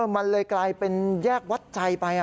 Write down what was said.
มันเลยกลายเป็นแยกวัดใจไป